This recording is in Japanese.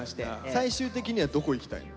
最終的にはどこいきたいの？